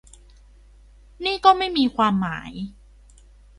นี่ก็ไม่มีความหมาย